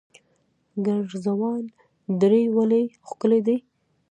ګرزوان درې ولې ښکلې دي؟